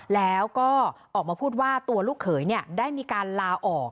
แล้วก็ออกมาพูดว่าตัวลูกเขยได้มีการลาออก